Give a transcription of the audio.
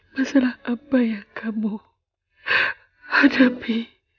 masalah apa yang kamu hadapi